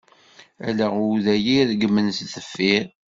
Ala uday i yeregmen s deffir.